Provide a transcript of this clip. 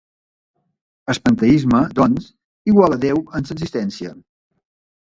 El panteisme, doncs, iguala Déu amb l'existència.